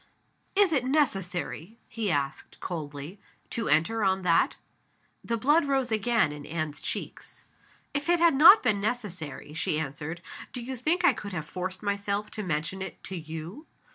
"Is it necessary," he asked, coldly, "to enter on that?" The blood rose again in Anne's cheeks. "If it had not been necessary," she answered, "do you think I could have forced myself to mention it to _you?